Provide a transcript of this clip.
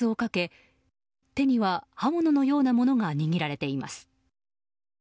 サングラスをかけ手には刃物のようなものが握られています。